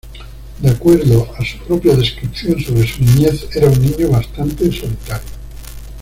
De acuerdo a su propia descripción sobre su niñez, era un niño bastante solitario.